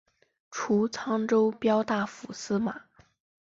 除沧州骠大府司马。